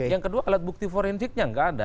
yang kedua alat bukti forensiknya nggak ada